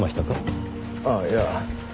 ああいや。